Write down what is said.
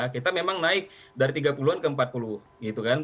kita memang naik dari tiga puluh an ke empat puluh gitu kan